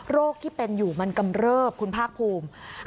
ที่เป็นอยู่มันกำเริบคุณภาคภูมิ